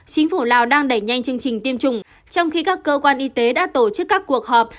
chính phủ lào đang đẩy nhanh chương trình tiêm chủng trong khi các cơ quan y tế đã tổ chức các cuộc họp